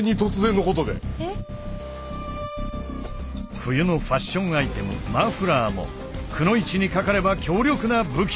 冬のファッションアイテムマフラーもくノ一にかかれば強力な武器となる。